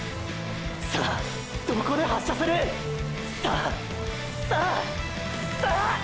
さあどこで発射する⁉さあさあさあ！！